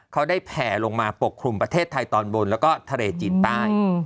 เขาได้แผ่ลงมาปกคลุมประเทศไทยตอนบนแล้วก็ทะเลจีนใต้